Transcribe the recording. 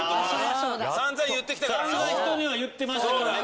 声散々人には言ってましたからね